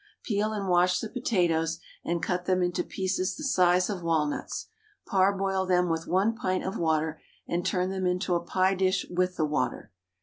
Peel and wash the potatoes, and cut them into pieces the size of walnuts; parboil them with 1 pint of water, and turn them into a pie dish with the water.